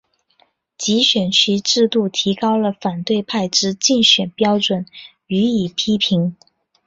集选区制度提高了反对派之竞选标准予以批评。